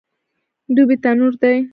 دوبی تنور دی